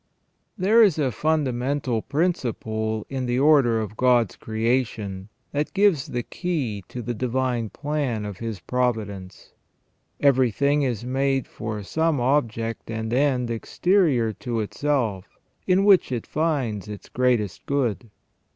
There is a fundamental principle in the order of God's creation that gives the key to the divine plan of His providence. Every thing is made for some object and end exterior to itself, in which it finds its greatest good.